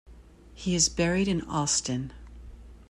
He is buried in Austin.